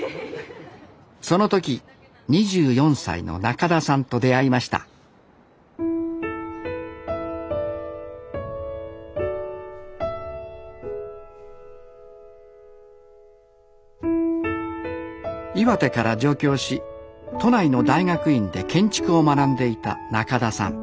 その時２４歳のなかださんと出会いました岩手から上京し都内の大学院で建築を学んでいたなかださん。